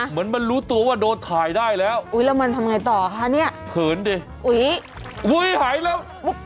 เหมือนมันรู้ตัวว่าโดนถ่ายได้แล้วอุ้ยแล้วมันทำไงต่อคะเนี่ยเขินดิอุ้ยอุ้ยหายแล้ว